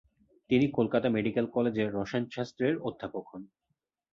তিনি কলকাতা মেডিক্যাল কলেজে রসায়নশাস্ত্রের অধ্যাপকও হন।